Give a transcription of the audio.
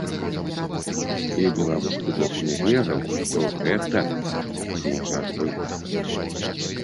І беларускі бок не верыў, што гэта можа адбыцца.